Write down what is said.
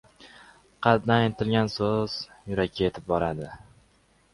• Qalbdan aytilgan so‘z yurakka yetib boradi.